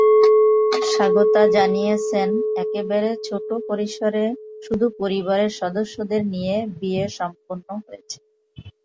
স্বাগতা জানিয়েছেন, একেবারে ছোট পরিসরে, শুধু পরিবারের সদস্যদের নিয়েই বিয়ে সম্পন্ন হয়েছে।